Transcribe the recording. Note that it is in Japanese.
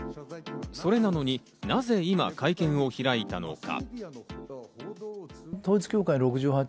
それなのになぜ今、会見を開いたのか？